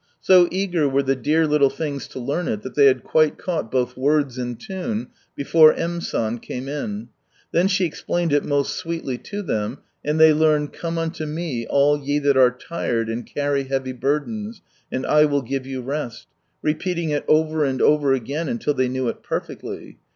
So eager were the dear little things to learn it, that they had quite caught both words and tune, before M. San came in. Then she explained it most sweetly to them, and they learned " Come unto Me all ye that ' are tired and carry' /leavy I'urdms,' and I will give you rest," repeating it over and over again, until they knew it perfectly.